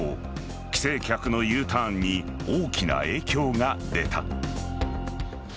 帰省客のＵターンに大きな影響が出た。